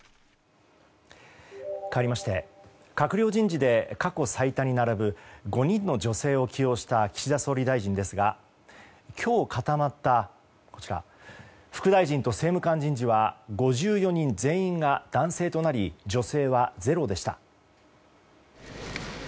かわりまして閣僚人事で過去最多に並ぶ、５人の女性を起用した岸田総理大臣ですが今日固まった副大臣と政務官人事は５４人全員が男性となり女性はゼロでした。